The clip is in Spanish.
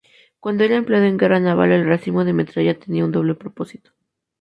Cuando era empleado en guerra naval, el racimo de metralla tenía un doble propósito.